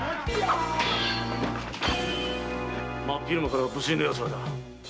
真っ昼間から無粋な奴らだ。